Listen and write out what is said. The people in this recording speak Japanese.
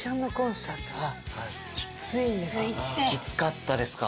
きつかったですか。